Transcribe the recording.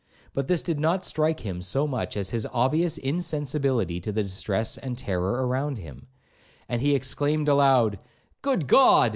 But this did not strike him so much as his obvious insensibility to the distress and terror around him, and he exclaimed aloud, 'Good God!